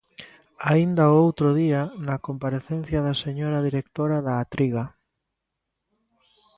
Aínda o outro día, na comparecencia da señora directora da Atriga.